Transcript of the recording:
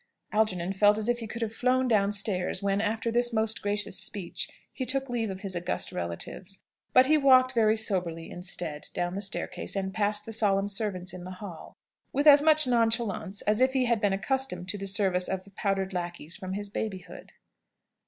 Algernon felt as if he could have flown downstairs when, after this most gracious speech, he took leave of his august relatives. But he walked very soberly instead, down the staircase and past the solemn servants in the hall, with as much nonchalance as if he had been accustomed to the service of powdered lackeys from his babyhood.